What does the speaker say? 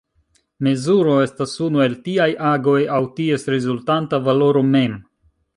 Mezuro estas unu el tiaj agoj aŭ ties rezultanta valoro mem.